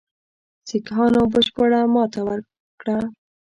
سیکهانو بشپړه ماته وکړه.